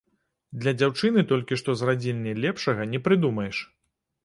Для дзяўчыны толькі што з радзільні лепшага не прыдумаеш.